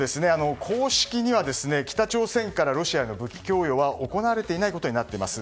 公式には北朝鮮からロシアの武器供与は行われていないことになっています。